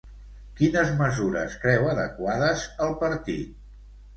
Quines mesures creu adequades el partit?